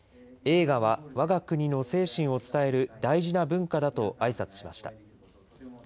映画はわが国の精神を伝える大事な文化だとあいさつしました。